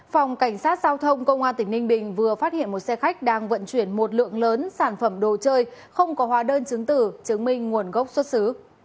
phòng cảnh sát giao thông công an tỉnh ninh bình vừa phát hiện một xe khách đang vận chuyển một lượng lớn sản phẩm đồ chơi không có hóa đơn chứng tử chứng minh nguồn gốc xuất xứ